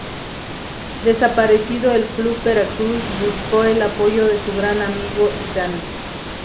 Desaparecido el Club Veracruz, buscó el apoyo de su gran amigo Dn.